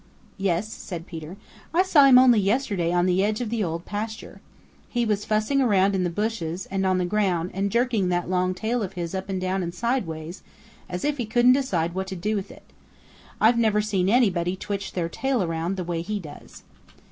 "Yes," said Peter. "I saw him only yesterday on the edge of the Old Pasture. He was fussing around in the bushes and on the ground and jerking that long tail of his up and down and sidewise as if he couldn't decide what to do with it. I've never seen anybody twitch their tail around the way he does."